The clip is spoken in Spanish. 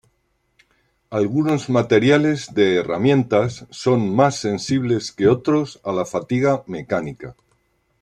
Algunos materiales de herramientas son más sensibles que otros a la fatiga mecánica.